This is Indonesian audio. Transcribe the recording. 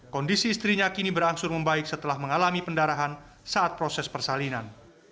kondisi istrinya kini berangsur membaik setelah mengalami pendarahan saat proses persalinan